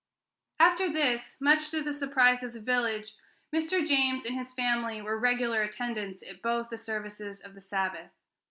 After this, much to the surprise of the village, Mr. James and his family were regular attendants at both the services of the Sabbath.